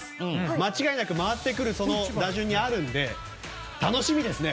間違いなく回ってくるその打順にあるので楽しみですね。